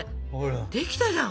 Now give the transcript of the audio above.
できたじゃん。